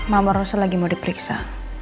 mama rossa lagi mau diperiksa